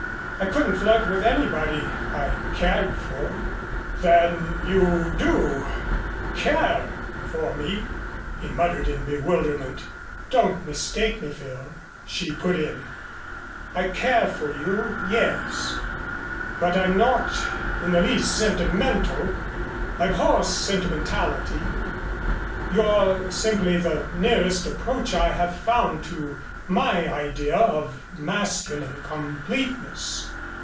I couldn't flirt with anybody I cared for." "Then you do care for me?" he muttered in bewilderment. "Don't mistake me, Phil," she put in. "I care for you, yes, but I'm not in the least sentimental. I abhor sentimentality. You're simply the nearest approach I have found to my idea of masculine completeness.